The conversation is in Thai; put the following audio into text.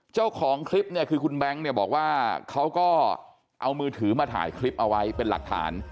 เจ้าของคลิปเนี่ยคือคุณแบงค์เนี่ยบอกว่าเขาก็เอามือถือมาถ่ายคลิปเอาไว้เป็นหลักฐาน